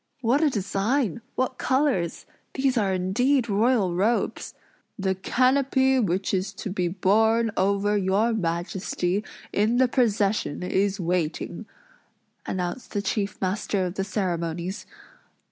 "What a design! What colors! These are indeed royal robes!" "The canopy which is to be borne over your Majesty, in the procession, is waiting," announced the chief master of the ceremonies.